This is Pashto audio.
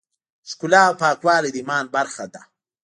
ښکلا او پاکوالی د ایمان برخه ده.